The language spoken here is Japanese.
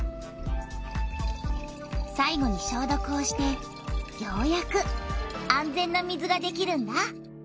さいごにしょうどくをしてようやく安全な水ができるんだ。